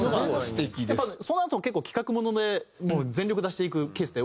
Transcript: やっぱそのあとも結構企画もので全力出していくケースって多いんですよね。